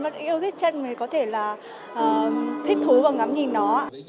mình yêu thích chân mình có thể là thích thúi vào ngắm nhìn nó